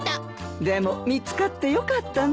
でも見つかってよかったね。